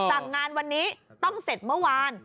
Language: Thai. สั่งงานวันนี้ต้องเสร็จเมื่อวาน